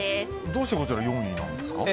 どうしてこちら４位なんですか。